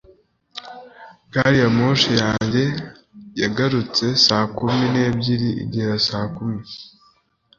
Gari ya moshi yanjye yahagurutse saa kumi n'ebyiri igera saa kumi.